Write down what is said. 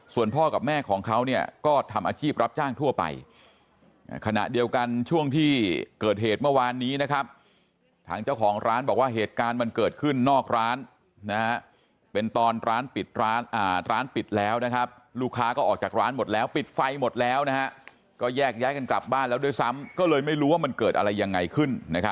ส่วนพ่อกับแม่ของเขาก็ทำอาชีพรับจ้างทั่วไปขณะเดียวกันช่วงที่เกิดเหตุเมื่อวานนี้นะครับทางเจ้าของร้านบอกว่าเหตุการณ์มันเกิดขึ้นนอกร้านเป็นตอนร้านปิดร้านร้านปิดแล้วนะครับลูกค้าก็ออกจากร้านหมดแล้วปิดไฟหมดแล้วก็แยกย้ายกันกลับบ้านแล้วด้วยซ้ำก็เลยไม่รู้ว่ามันเกิดอะไรยังไงขึ้น